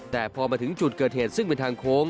แต่พอมาถึงจุดเกิดเหตุซึ่งเป็นทางโค้ง